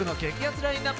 ラインナップ